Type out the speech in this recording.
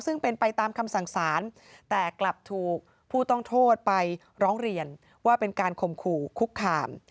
ซึ่งเป็นไปตามคำสั่งสารแต่กลับถูกผู้ต้องโทษไปร้องเรียนว่าเป็นการข่มขู่คุกคาม